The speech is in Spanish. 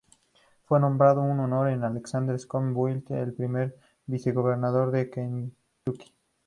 Fue nombrado en honor a Alexander Scott Bullitt, el primer Vicegobernador de Kentucky.